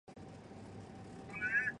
马赛地铁为胶轮路轨系统。